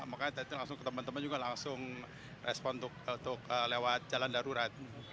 makanya tadi langsung ke teman teman juga langsung respon untuk lewat jalan darurat